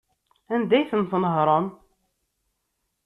Anda ay ten-tnehṛem?